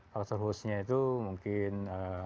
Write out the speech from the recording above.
faktor hostnya itu mungkin